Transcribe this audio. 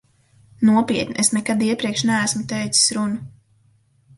Nopietni, es nekad iepriekš neesmu teicis runu.